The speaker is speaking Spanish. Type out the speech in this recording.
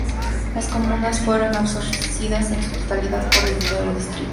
Las comunas fueron absorbidas en su totalidad por el nuevo distrito administrativo de Berna-Mittelland.